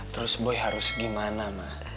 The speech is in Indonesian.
terus boy harus gimana mah